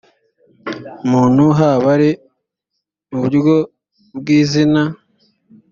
muntu haba ari mu buryo bw izina